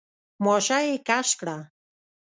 ماشه يې کش کړه.